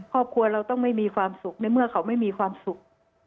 ครอบครัวเราต้องไม่มีความสุขในเมื่อเขาไม่มีความสุข